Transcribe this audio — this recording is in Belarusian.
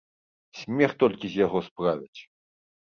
Смех толькі з яго справяць.